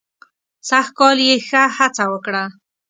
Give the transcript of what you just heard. سږ کال یې ښه هڅه وکړه.